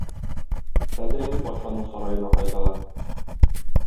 Хәзер инде патшаның сараена кайталар.